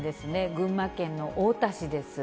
群馬県の太田市です。